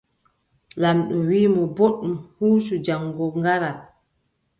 Laamɓo wii mo: booɗɗum huucu jaŋgo ngara.